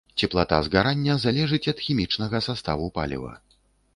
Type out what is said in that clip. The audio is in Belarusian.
Цеплата згарання залежыць ад хімічнага саставу паліва.